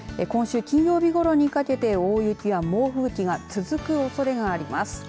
今週金曜日ごろにかけて大雪や猛吹雪が続くおそれがあります。